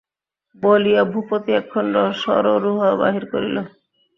বলিয়া ভূপতি একখণ্ড সরোরুহ বাহির করিল।